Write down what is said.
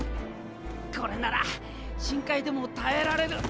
これなら深海でも耐えられる！